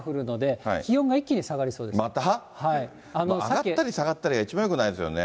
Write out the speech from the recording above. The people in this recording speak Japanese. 上がったり下がったりが一番よくないですよね。